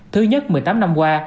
thứ nhất một mươi tám năm qua